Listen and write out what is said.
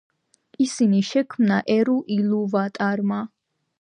ისინი შექმნა ერუ ილუვატარმა.